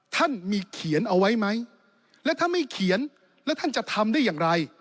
ท่านมีเขียนเอาไว้ไหมและถ้าไม่เขียนแล้วท่านจะทำได้อย่างไร